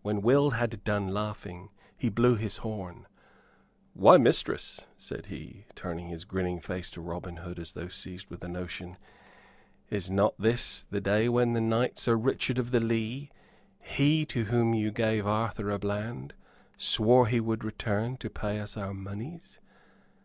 When Will had done laughing he blew his horn. "Why, mistress," said he, turning his grinning face to Robin as though seized with a notion, "is not this the day when the knight Sir Richard of the Lee he to whom you gave Arthur à Bland swore he would return to pay us our moneys?"